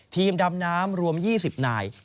ทีมดำน้ำรวม๒๐หน่าย